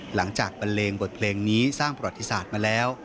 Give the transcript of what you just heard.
บันเลงบทเพลงนี้สร้างประวัติศาสตร์มาแล้ว